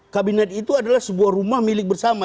kabinet itu adalah sebuah rumah milik bersama